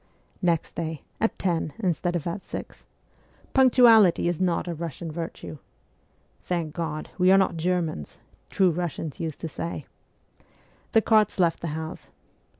Next day, at ten instead of at six punctuality is not a Russian virtue (' Thank God, we are not Germans,' true Russians used to say), the carts left the house.